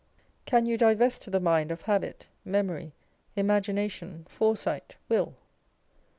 Can you divest the mind of habit, memory, imagination, foresight, will